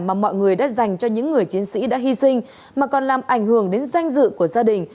mà mọi người đã dành cho những người chiến sĩ đã hy sinh mà còn làm ảnh hưởng đến danh dự của gia đình